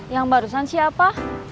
yang barusan siapa